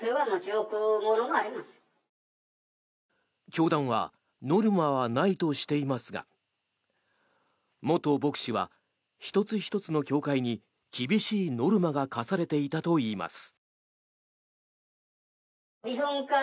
教団はノルマはないとしていますが元牧師は１つ１つの教会に厳しいノルマが課されていたといいます。